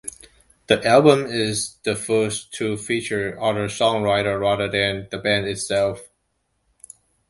The album is the first to feature other songwriters rather than the band itself.